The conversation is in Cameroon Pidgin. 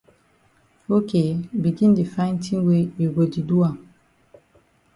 Ok begin di find tin wey you go di do am.